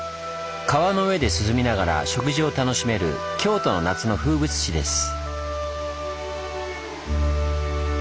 川の上で涼みながら食事を楽しめる京都の夏の風物詩です。